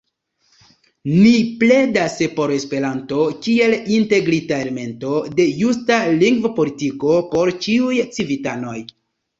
Ni pledas por Esperanto kiel integrita elemento de justa lingvopolitiko por ĉiuj civitanoj.